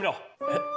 えっ？